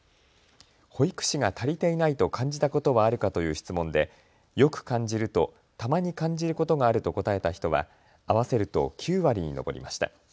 保育士が足りていないと感じたことはあるかという質問でよく感じると、たまに感じることがあると答えた人は合わせると９割に上りました。